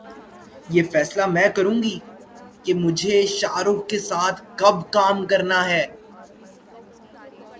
یہ فیصلہ میں کروں گی کہ مجھے شاہ رخ کے ساتھ کب کام کرنا ہے